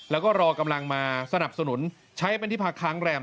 แล้วก็รอกำลังมาสนับสนุนใช้เป็นที่พักค้างแรม